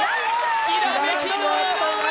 ひらめきの井上・